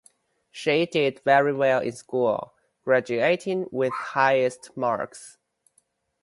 She did very well in school, graduating with highest marks.